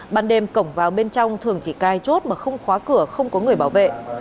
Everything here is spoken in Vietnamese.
ban đêm cổng vào bên trong thường chỉ cai chốt mà không khóa cửa không có người bảo vệ